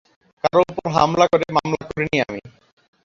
কারও ওপর হামলা করে মামলা করিনি আমি।